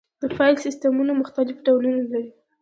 د فایل سیستمونه مختلف ډولونه لري.